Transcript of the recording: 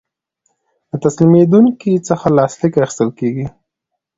له تسلیمیدونکي څخه لاسلیک اخیستل کیږي.